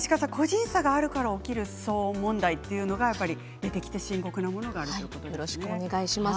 個人差があるから起きる騒音問題というのが出てきて深刻なものがあるということですね。